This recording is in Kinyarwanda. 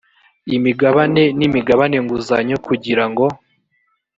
imigabane n imigabane nguzanyo kugira ngo